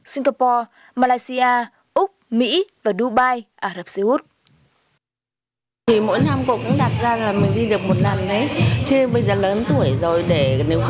singapore malaysia úc mỹ và dubai ả rập xê út